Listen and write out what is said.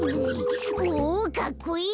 おかっこいい！